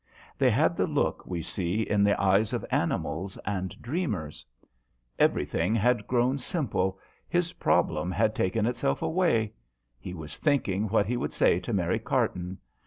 They had the look we see in the eyes of animals and dreamers. 150 JOHN SHERMAN. Everything had grown simple, his problem had taken itself away. He was thinking what he would say to Mary Carton.